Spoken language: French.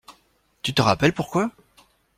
Tu te rappelles pourquoi?